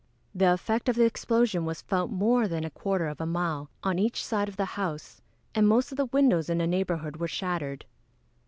The effect of the explosion was felt for more than a quarter of a mile on each side of the house, and most of the windows in the neighbourhood were shattered.